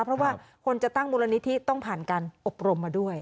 เพราะว่าคนจะตั้งมูลนิธิต้องผ่านการอบรมมาด้วย